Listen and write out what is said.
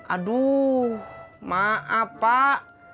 aduh maaf pak